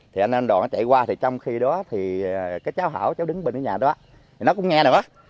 thì anh nam đoàn nó chạy qua trong khi đó cháu hảo cháu đứng bên nhà đó nó cũng nghe được á